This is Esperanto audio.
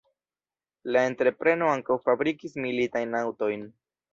La entrepreno ankaŭ fabrikis militajn aŭtojn.